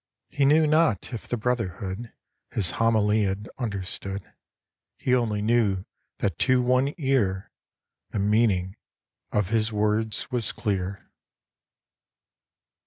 He knew not if the brotherhood His homily had understood; He only knew that to one ear The meaning of his words was clear.